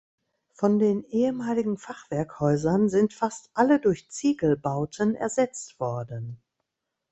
Von den ehemaligen Fachwerkhäusern sind fast alle durch Ziegelbauten ersetzt worden.